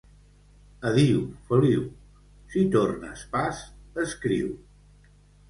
Adiu, Feliu! Si tornes pas, escriu!